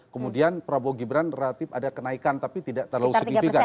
kemudian prabowo gibran relatif ada kenaikan tapi tidak terlalu signifikan